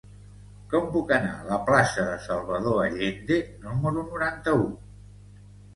Com puc anar a la plaça de Salvador Allende número noranta-u?